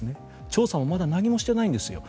調査はまだ何もしていないんですよ。